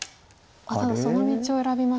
ただその道を選びましたか。